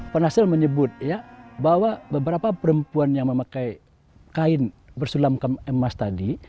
van hasselt menyebut bahwa beberapa perempuan yang memakai kain bersulam emas tadi